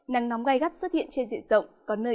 nắng nóng gây gắt xuất hiện trên diện rộng